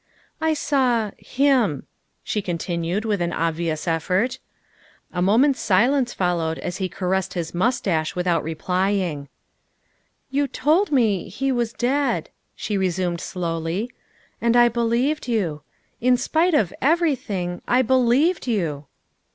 " I saw him," she continued with an obvious effort. A moment's silence followed as he caressed bis mus tache without replying. THE SECRETARY OF STATE 151 " You told me he was dead," she resumed slowly, " and I believed you. In spite of everything, I believed you."